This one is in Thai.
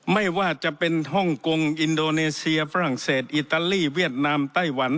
ไม่ว่าจะเป็นฮ่องกงอินโดนีเซียฝรั่งเศสอิตาลีเวียดนามไต้หวัน